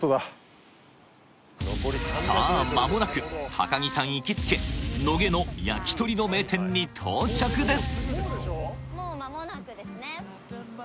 高城さん行きつけ野毛の焼き鳥の名店に到着です